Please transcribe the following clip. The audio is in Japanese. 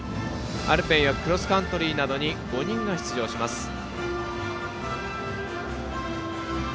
アルペンやクロスカントリーなどに５人が出場します。